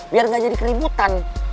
biar gak jadi keributan